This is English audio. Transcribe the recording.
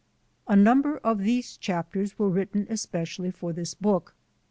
A number of these chapters were written es pecially for this book.